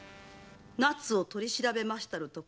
奈津を取り調べましたるところ